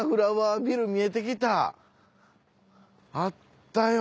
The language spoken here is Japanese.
あったよ！